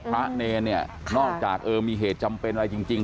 พระเนรเนี่ยนอกจากเออมีเหตุจำเป็นอะไรจริง